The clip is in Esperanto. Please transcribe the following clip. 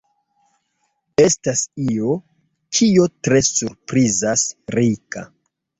Estas io, kio tre surprizas Rika.